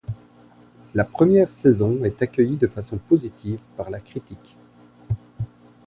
La première saison est accueillie de façon positive par la critique.